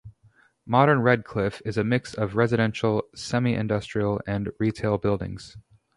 Modern Redcliffe is a mix of residential, semi-industrial and retail buildings.